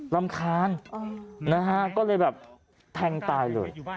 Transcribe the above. รำคาญนะฮะก็เลยแบบแทงตายเลย